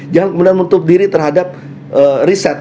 jangan menutup diri terhadap riset